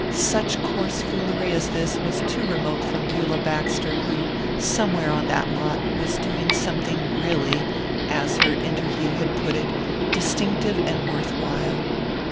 Such coarse foolery as this was too remote from Beulah Baxter who, somewhere on that lot, was doing something really, as her interview had put it, distinctive and worth while.